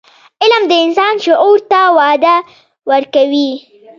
علم د انسان شعور ته وده ورکوي.